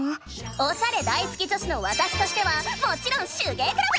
おしゃれ大好き女子のわたしとしてはもちろん手芸クラブ！